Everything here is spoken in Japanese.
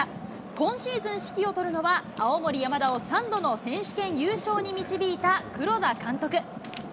今シーズン指揮を執るのは青森山田を３度の選手権優勝に導いた黒田監督。